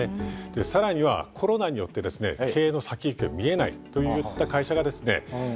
で更にはコロナによってですね経営の先行きが見えないといった会社がですね